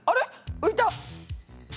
浮いた！